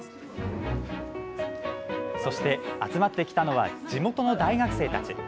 そして、集まってきたのは地元の大学生たち。